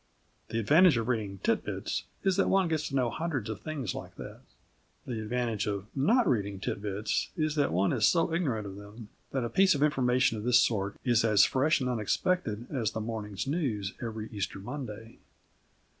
The advantage of reading Tit Bits is that one gets to know hundreds of things like that. The advantage of not reading Tit Bits is that one is so ignorant of them that a piece of information of this sort is as fresh and unexpected as the morning's news every Easter Monday.